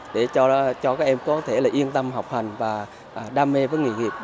để cho các em có thể yên tâm học hành và đam mê với nghề nghiệp